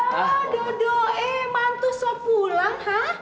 ya dodo eh mantus so pulang hah